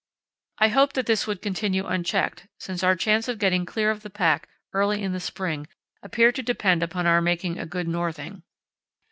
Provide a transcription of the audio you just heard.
I hoped that this would continue unchecked, since our chance of getting clear of the pack early in the spring appeared to depend upon our making a good northing.